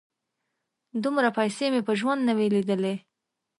_دومره پيسې مې په ژوند نه وې لېدلې.